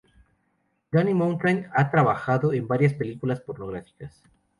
Danny Mountain ha trabajado en varias películas pornográficas.